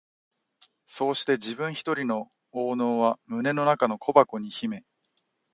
そうして自分ひとりの懊悩は胸の中の小箱に秘め、